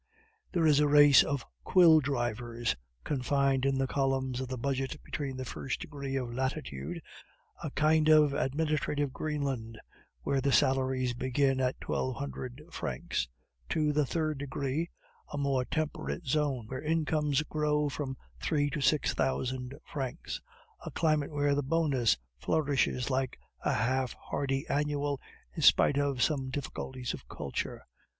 There is a race of quill drivers, confined in the columns of the budget between the first degree of latitude (a kind of administrative Greenland where the salaries begin at twelve hundred francs) to the third degree, a more temperate zone, where incomes grow from three to six thousand francs, a climate where the bonus flourishes like a half hardy annual in spite of some difficulties of culture.